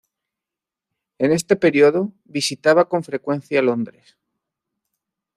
En este período, visitaba con frecuencia Londres.